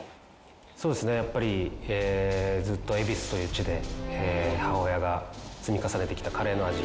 そうですねやっぱりずっと恵比寿という地で母親が積み重ねてきたカレーの味。